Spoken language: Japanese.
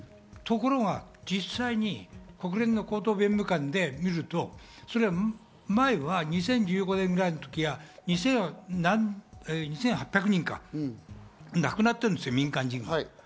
ところが実際に国連の高等弁務官で見ると２０１５年ぐらいの時は２８００人が亡くなってるんですよ、民間人が。